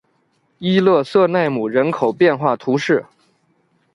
伊勒瑟奈姆人口变化图示